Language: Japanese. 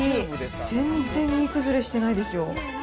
全然煮崩れしてないですよ。